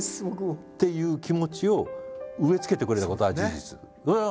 僕も。っていう気持ちを植えつけてくれたことは事実。